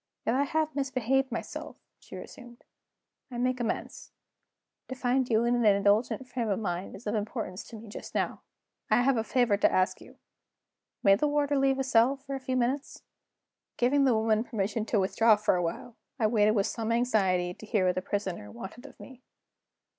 "If I have misbehaved myself," she resumed, "I make amends. To find you in an indulgent frame of mind is of importance to me just now. I have a favor to ask of you. May the warder leave the cell for a few minutes?" Giving the woman permission to withdraw for a while, I waited with some anxiety to hear what the Prisoner wanted of me.